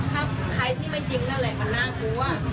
ถ้าใครที่ไม่จริงอะไรมันน่ากลัว